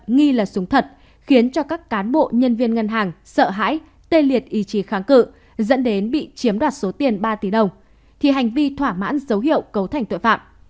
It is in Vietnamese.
nếu tên ngân hàng sợ hãi tê liệt ý chí kháng cự dẫn đến bị chiếm đoạt số tiền ba tỷ đồng thì hành vi thỏa mãn dấu hiệu cấu thành tội phạm